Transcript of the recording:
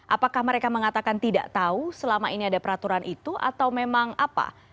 apakah mereka mengatakan tidak tahu selama ini ada peraturan itu atau memang apa